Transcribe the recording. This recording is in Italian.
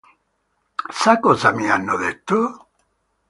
Sa cosa mi hanno detto?